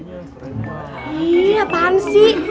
wih apaan sih